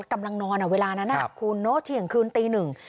กำลังนอนเวลาอาทิงคืนตีหนึ่ง